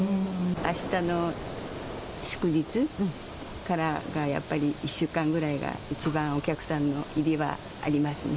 あしたの祝日からが、やっぱり１週間ぐらいが一番お客さんの入りはありますね。